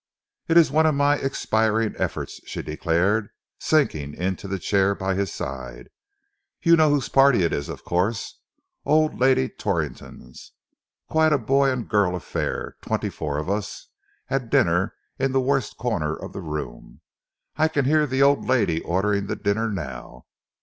"It is one of my expiring efforts," she declared, sinking into the chair by his side. "You know whose party it is, of course? Old Lady Torrington's. Quite a boy and girl affair. Twenty four of us had dinner in the worst corner of the room. I can hear the old lady ordering the dinner now.